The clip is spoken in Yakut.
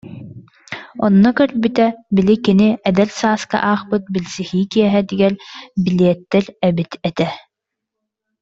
Онно көрбүтэ, били кини «Эдэр сааска» аахпыт билсиһии киэһэтигэр билиэттэр эбит этэ